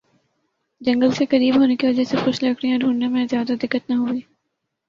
جنگل سے قریب ہونے کی وجہ سے خشک لکڑیاں ڈھونڈنے میں زیادہ دقت نہ ہوئی